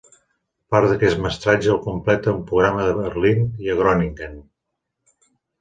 Part d’aquest mestratge el completa un programa a Berlín i Groningen.